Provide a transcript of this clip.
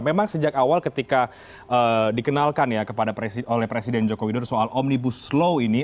memang sejak awal ketika dikenalkan ya oleh presiden joko widodo soal omnibus law ini